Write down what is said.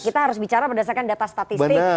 kita harus bicara berdasarkan data statistik